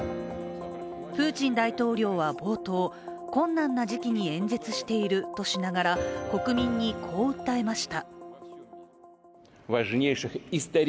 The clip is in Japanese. プーチン大統領は冒頭、困難な時期に演説しているとしながら国民にこう訴えました。